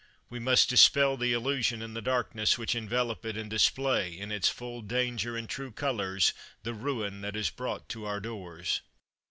We must dispel the illusion and the darkness which envelop it, and display, in its full danger and true colors, the ruin that is brought to our doors.